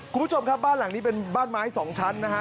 คุณผู้ชมครับบ้านหลังนี้เป็นบ้านไม้สองชั้นนะฮะ